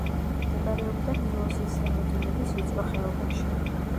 მდებარეობდა ნილოსის ზემო დინების ვიწრო ხეობაში.